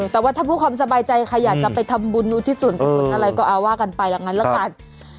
แต่ว่าถ้าผู้ความสบายใจใครอยากจะไปทำบุญอุทิศวรกับคนอะไรก็อาว่ากันไปแล้วกัน